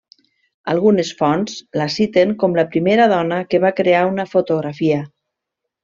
Algunes fonts la citen com la primera dona que va crear una fotografia.